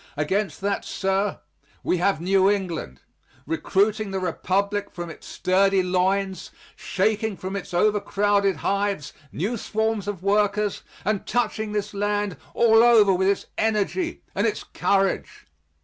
Against that, sir, we have New England, recruiting the Republic from its sturdy loins, shaking from its overcrowded hives new swarms of workers, and touching this land all over with its energy and its courage.